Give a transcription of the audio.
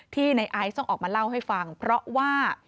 ในไอซ์ต้องออกมาเล่าให้ฟังเพราะว่า